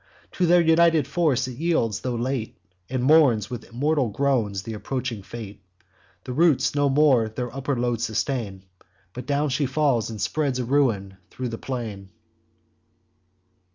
To their united force it yields, tho' late, And mourns with mortal groans th' approaching fate: The roots no more their upper load sustain; But down she falls, and spreads a ruin thro' the plain.